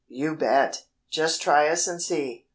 "You bet!" "Just try us and see."